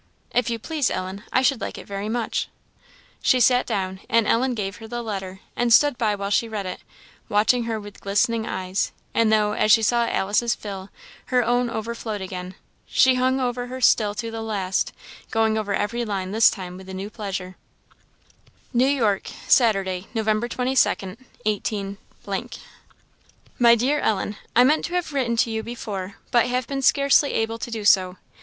"If you please, Ellen I should like it very much." She sat down, and Ellen gave her the letter, and stood by while she read it, watching her with glistening eyes; and though, as she saw Alice's fill, her own overflowed again, she hung over her still to the last; going over every line this time with a new pleasure: "New York, Saturday, Nov. 22, 18 . "MY DEAR ELLEN, "I meant to have written to you before, but have been scarcely able to do so.